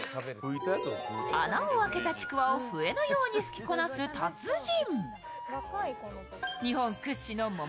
穴を開けたちくわを笛のように吹きこなす達人。